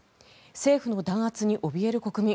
政府の弾圧におびえる国民。